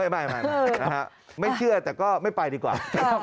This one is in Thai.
ไม่ไม่เชื่อแต่ก็ไม่ไปดีกว่า